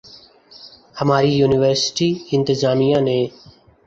ہماری یونیورسٹی انتظامیہ نے